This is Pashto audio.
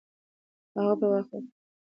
هغوی به په هغه وخت کې د نوي کال لمانځنه کوي.